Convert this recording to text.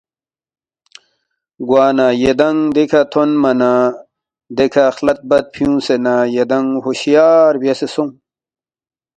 گوانہ یدانگ دیکھہ تھونما نہ دیکھہ خلد بد فیُونگسے نہ یدانگ ہُوشیار بیاسے سونگ